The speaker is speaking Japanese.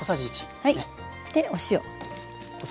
でお塩。